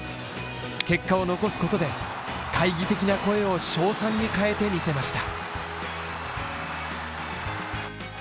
結果を残すことで、懐疑的な声を称賛に変えてみせました。